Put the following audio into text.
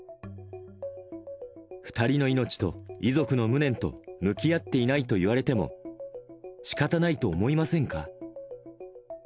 ２人の命と、遺族の無念と向き合っていないといわれても、しかたないと思いませんか？